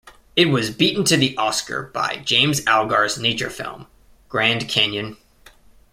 It was beaten to the Oscar by James Algar's nature film "Grand Canyon".